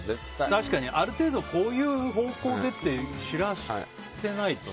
確かにある程度こういう方向でって知らせないとね。